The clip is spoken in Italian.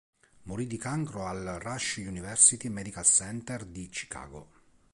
Morì di cancro al Rush University Medical Center di Chicago.